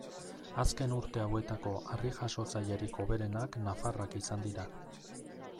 Azken urte hauetako harri-jasotzailerik hoberenak nafarrak izan dira.